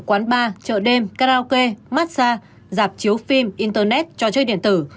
quán bar chợ đêm karaoke massage dạp chiếu phim internet cho chơi điện tử